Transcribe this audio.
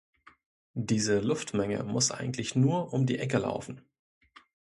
Diese Luftmenge muss eigentlich nur „um die Ecke laufen“.